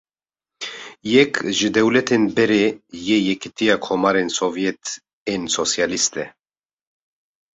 Yek ji dewletên berê yê Yekîtiya Komarên Sovyet ên Sosyalîst e.